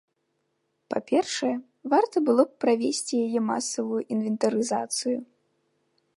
Па-першае, варта было б правесці яе масавую інвентарызацыю.